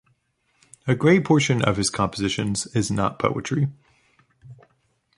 A great portion of his compositions is not poetry.